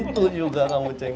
bentul juga kamu ceng